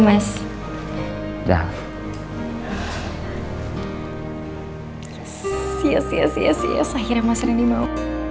yes yes akhirnya mas rendy mau